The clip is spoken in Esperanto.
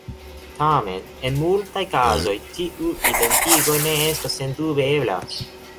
Tamen en multaj kazoj tiu identigo ne estas sendube ebla.